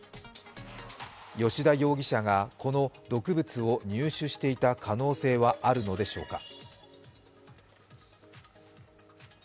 吉田容疑者がこの毒物を入手していた可能性はあるのでしょうか。